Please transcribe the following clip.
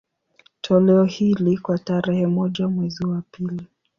Toleo hili, kwa tarehe moja mwezi wa pili